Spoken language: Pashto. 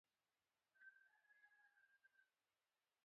ازادي راډیو د ټرافیکي ستونزې په اړه د هر اړخیزو مسایلو پوښښ کړی.